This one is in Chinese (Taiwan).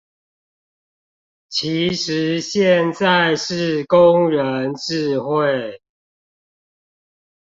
其實現在是工人智慧